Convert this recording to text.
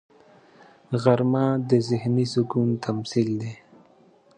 غرمه د ذهني سکون تمثیل دی